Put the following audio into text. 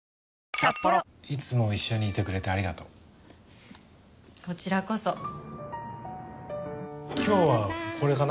いつも一緒にいてくれてありがとうこちらこそ今日はこれかな